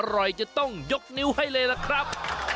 อร่อยจะต้องยกนิ้วให้เลยนะครับ